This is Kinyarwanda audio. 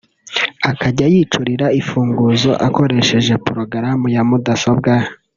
akajya yicurira imfunguzo akoresheje Prorogramu ya mudasobwa